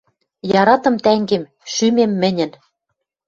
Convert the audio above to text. Яратым тӓнгем, шӱмем мӹньӹн.